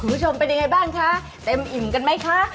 คุณผู้ชมเป็นยังไงบ้างคะเต็มอิ่มกันไหมคะ